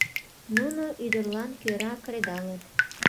— Нуно ӱдырлан кӧра кредалыт.